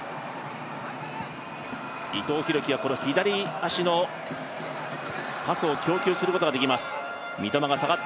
伊藤洋輝は左足のパスを供給することができます。